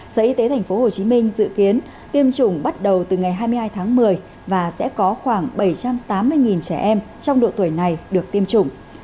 sở y tế tp hcm dự kiến tiêm chủng bắt đầu từ ngày hai mươi hai tháng một mươi và sẽ có khoảng bảy trăm tám mươi trẻ em trong độ tuổi này được tiêm chủng